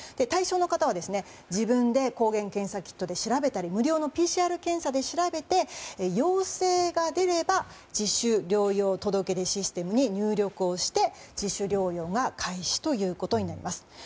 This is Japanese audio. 対象の方は自分で抗原検査キットで調べたり無料のＰＣＲ検査で調べて陽性が出れば自主療養届出システムに入力をして、自主療養が開始ということになります。